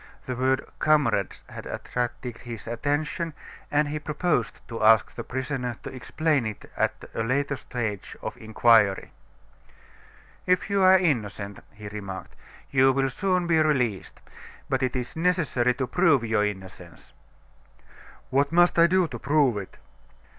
The word "comrades" had attracted his attention, and he proposed to ask the prisoner to explain it at a later stage of the inquiry. "If you are innocent," he remarked, "you will soon be released: but it is necessary to prove your innocence." "What must I do to prove it?"